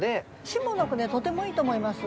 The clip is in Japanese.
下の句ねとてもいいと思います。